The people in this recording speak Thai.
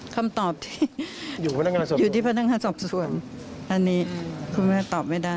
คำตอบที่อยู่ที่พนักงานสอบส่วนอันนี้คำตอบไม่ได้